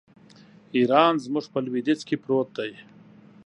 ایران زموږ په لوېدیځ کې پروت دی.